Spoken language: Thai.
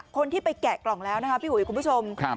คนที่ไปแกะกล่องแล้วนะคะพี่อุ๋ยคุณผู้ชม